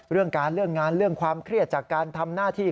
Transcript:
เรื่องการเรื่องงานเรื่องความเครียดจากการทำหน้าที่